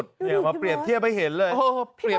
อย่ามาเปรียบเทียบให้เห็นเลย